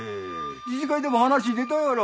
自治会でも話出たやろ。